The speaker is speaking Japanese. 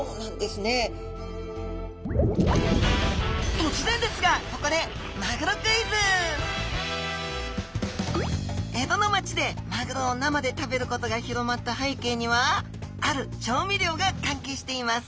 突然ですがここで江戸の街でマグロを生で食べることが広まった背景にはある調味料が関係しています。